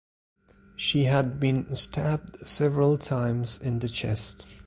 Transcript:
She had been stabbed several times in the chest.